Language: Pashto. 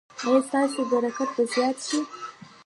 ایا ستاسو برکت به زیات شي؟